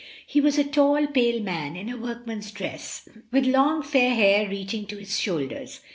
It was a tall, pale man, in a workman's dress, with long fair hair reaching to his shoulders.